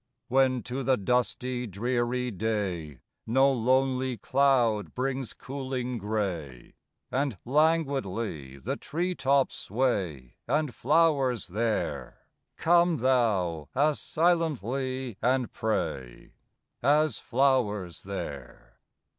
II When to the dusty, dreary day No lonely cloud brings cooling gray, And languidly the tree tops sway And flowers there, Come thou as silently and pray As flowers there.